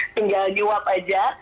tinggal di uap aja